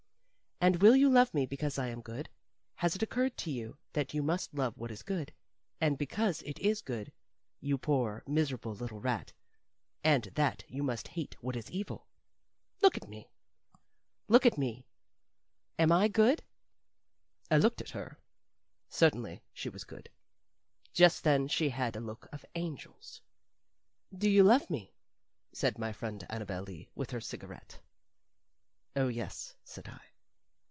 "And will you love me because I am good? Has it occurred to you that you must love what is good and because it is good, you poor, miserable, little rat, and that you must hate what is evil? Look at me, look at me! am I good?" I looked at her. Certainly she was good. Just then she had a look of angels. "Do you love me?" said my friend Annabel Lee, with her cigarette. "Oh, yes," said I.